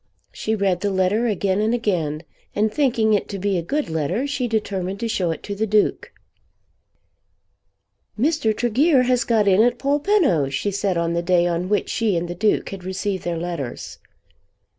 She read the letter again and again, and thinking it to be a good letter she determined to show it to the Duke. "Mr. Tregear has got in at Polpenno," she said on the day on which she and the Duke had received their letters.